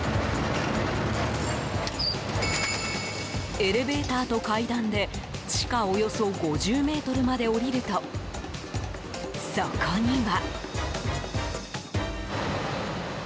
エレベーターと階段で地下およそ５０ｍまで降りるとそこには。